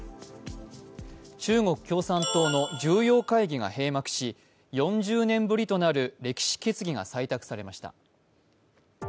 中国共産党の重要会議が閉幕し４０年ぶりとなる歴史決議が採択されました。